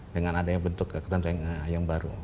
dengan adanya bentuk kekuatan yang baru